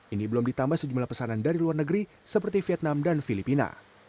ini belum ditambah sejumlah pesanan dari luar negeri seperti vietnam dan filipina